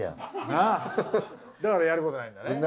なあだからやることないんだね。